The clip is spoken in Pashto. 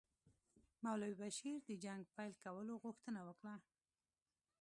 مولوي بشیر د جنګ پیل کولو غوښتنه وکړه.